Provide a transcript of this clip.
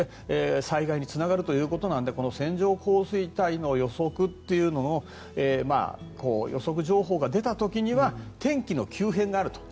災害につながるということなのでこの線状降水帯の予測というものの予測情報が出た時には天気の急変があると。